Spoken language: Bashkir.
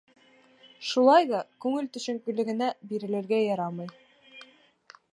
Шулай ҙа күңел төшөнкөлөгөнә бирелергә ярамай.